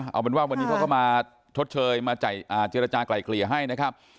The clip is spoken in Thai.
เอาเป็นว่าวันนี้เขาก็มาชดเชยมาเจรจากลายเกลี่ยให้นะครับ